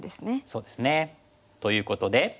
そうですね。ということで。